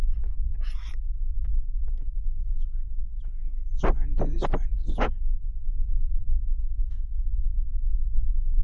Ratings dropped in comparison with previous seasons.